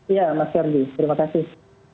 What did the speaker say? iya mas ferdi terima kasih